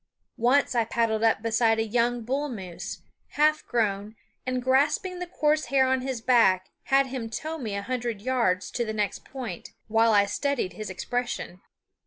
Once I paddled up beside a young bull moose, half grown, and grasping the coarse hair on his back had him tow me a hundred yards, to the next point, while I studied his expression.